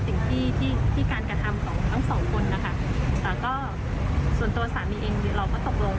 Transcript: ทั้งบ้านนี้ฉันแล้วก็ทั้งบ้านสามีอีกก็รับรู้